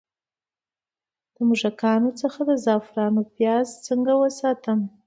د موږکانو څخه د زعفرانو پیاز څنګه وساتم؟